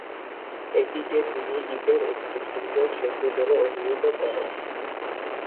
এটিকে তিনি ‘ইটের একটি সুন্দর সেতু’ বলে অভিহিত করেন।